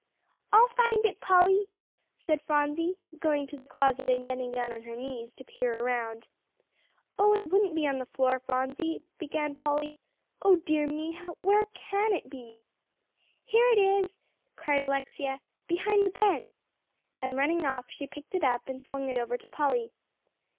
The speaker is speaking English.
"I'll find it, Polly," said Phronsie, going to the closet and getting down on her knees, to peer around. "Oh, it wouldn't be on the floor, Phronsie," began Polly. "Oh dear me! where can it be?" "Here it is," cried Alexia, "behind the bed." And running off, she picked it up, and swung it over to Polly.